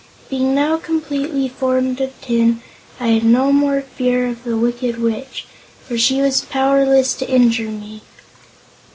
Being now completely formed of tin, I had no more fear of the Wicked Witch, for she was powerless to injure me.